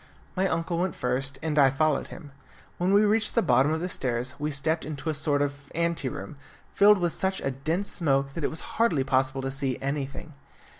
My uncle went first, and I followed him. When we reached the bottom of the stairs we stepped into a sort of ante room, filled with such a dense smoke that it was hardly possible to see anything.